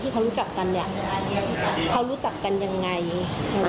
๓๔เดือนที่เขารู้จักกันเนี่ยเขารู้จักกันยังไง